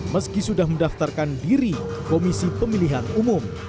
meski sudah mendaftarkan diri komisi pemilihan umum